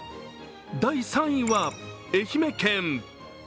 第３位は愛媛県。